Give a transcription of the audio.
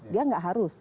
dia gak harus